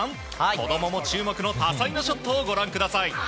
子供も注目の多彩なショットをご覧ください。